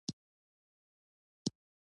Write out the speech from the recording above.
دا هم د جاوېد صېب لا علمي ده